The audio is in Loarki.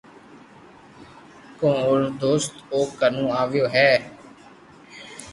ڪو اورو دوست او ڪنو آويو ھي